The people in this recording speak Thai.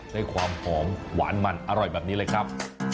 ได้ความหอมหวานมันอร่อยแบบนี้เลยครับ